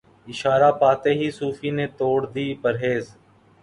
اشارہ پاتے ہی صوفی نے توڑ دی پرہیز